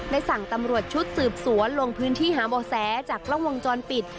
สั่งตำรวจชุดสืบสวนลงพื้นที่หาบ่อแสจากกล้องวงจรปิด